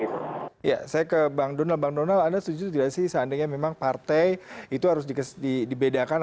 saya ke bang donal bang donald anda setuju tidak sih seandainya memang partai itu harus dibedakan